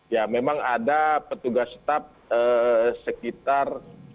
ya memang ada petugas staff sekitar dua puluh empat